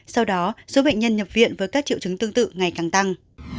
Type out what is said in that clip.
sau đó số bệnh nhân nhập viện với các triệu chứng tương tự ngày càng tăng